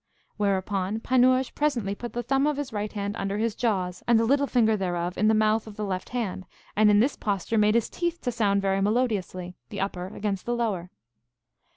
Whereupon Panurge presently put the thumb of his right hand under his jaws, and the little finger thereof in the mouth of the left hand, and in this posture made his teeth to sound very melodiously, the upper against the lower.